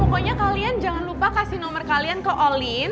pokoknya kalian jangan lupa kasih nomor kalian ke olin